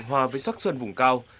hòa với sóc xuân vùng cao